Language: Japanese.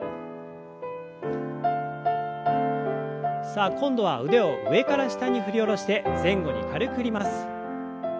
さあ今度は腕を上から下に振り下ろして前後に軽く振ります。